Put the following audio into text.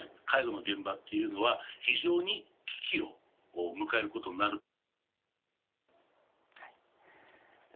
介護の現場っていうのは、非常に危機を迎えることになる。